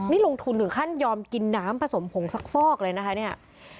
นี่ลงทุนถึงขั้นยอมกินน้ำผสมผงซักฟอกเลยนะคะเนี่ย